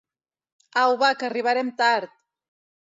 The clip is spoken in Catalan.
Au va que arribarem tard!